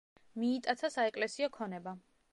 მიიტაცა საეკლესიო ქონება.